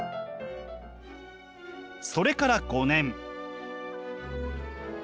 それから５年。